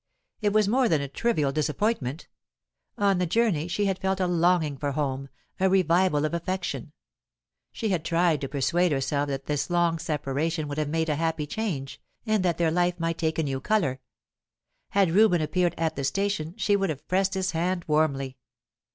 It was more than a trivial disappointment. On the journey, she had felt a longing for home, a revival of affection; she had tried to persuade herself that this long separation would have made a happy change, and that their life might take a new colour. Had Reuben appeared 'at the station, she would have pressed his hand warmly.